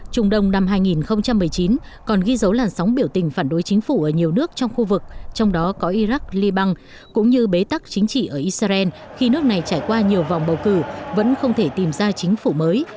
trung đông năm hai nghìn một mươi chín còn ghi dấu làn sóng biểu tình phản đối chính phủ ở nhiều nước trong khu vực trong đó có iraq liban cũng như bế tắc chính trị ở israel khi nước này trải qua nhiều vòng bầu cử vẫn không thể tìm ra chính phủ mới